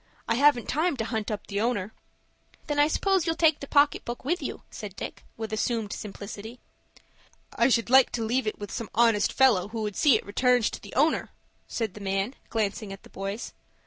I haven't time to hunt up the owner." "Then I suppose you'll take the pocket book with you," said Dick, with assumed simplicity. "I should like to leave it with some honest fellow who would see it returned to the owner," said the man, glancing at the boys.